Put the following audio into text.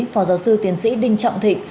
phò giáo sư tiến sĩ đinh trọng thịnh